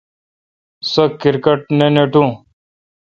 سو کرکٹ نہ ناٹو۔